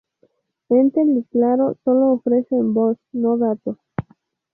Entel y Claro sólo ofrecen voz, no datos.